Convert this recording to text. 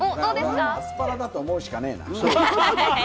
アスパラだと思うしかねぇな。